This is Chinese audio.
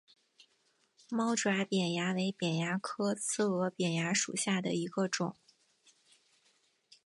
猫爪扁蚜为扁蚜科刺额扁蚜属下的一个种。